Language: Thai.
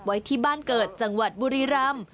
ไว้ที่บ้านเกิดจังหวัดบุรีรำ